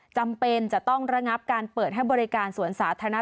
จำเป็นจะต้องระงับการเปิดให้บริการสวนสาธารณะ